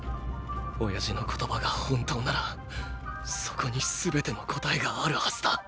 親父の言葉が本当ならそこにすべての答えがあるはずだ。